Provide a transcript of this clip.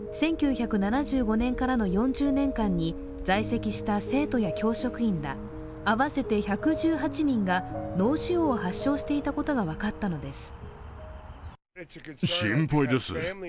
１９７５年からの４０年間に在籍した生徒や教職員ら合わせて１１８人が脳腫瘍を発症していたことが分かったのです。